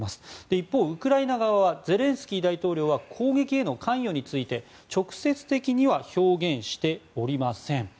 一方、ウクライナ側はゼレンスキー大統領は攻撃への関与について直接的には表現しておりません。